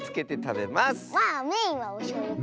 メインはおしょうゆかな。